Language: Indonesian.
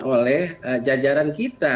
oleh jajaran kita